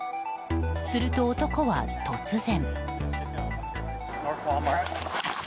すると、男は突然。